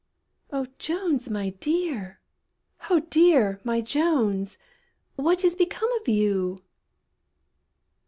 Oh Jones, my dear! Oh dear! my Jones, What is become of you?"